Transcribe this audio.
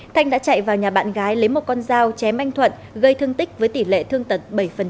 thanh đã chạy vào nhà bạn gái lấy một con dao chém anh thuận gây thương tích với tỷ lệ thương tật bảy